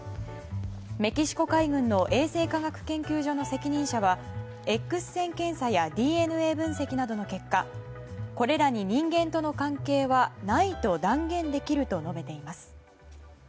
メキシコ海軍の衛生科学研究者の責任者はＸ線検査やＤＮＡ分析などの結果これらに人間との関係はないと断言できると述べています。